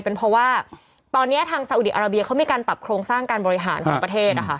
เป็นเพราะว่าตอนนี้ทางซาอุดีอาราเบียเขามีการปรับโครงสร้างการบริหารของประเทศนะคะ